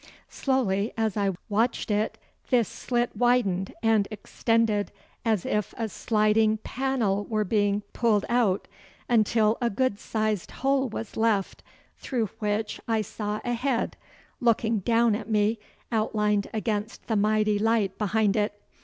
Slowly as I watched it this slit widened and extended as if a sliding panel were being pulled out, until a good sized hole was left, through which I saw a head, looking down at me, outlined against the misty light behind it.